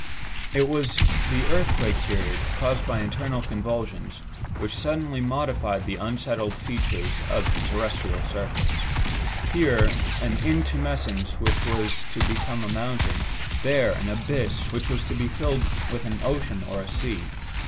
It was the earthquake period, caused by internal convulsions, which suddenly modified the unsettled features of the terrestrial surface. Here, an intumescence which was to become a mountain, there, an abyss which was to be filled with an ocean or a sea.